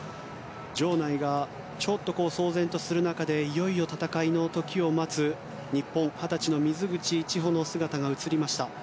場内がちょっと騒然とする中でいよいよ戦いの時を待つ日本、二十歳の水口知保の姿が映りました。